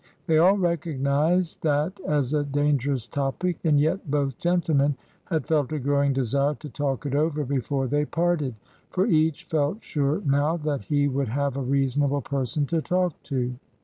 They all recognized that as a dangerous topic. And yet both gentlemen had felt a growing desire to talk it over before they parted ; for each felt sure now that he would have a reasonable person to talk to.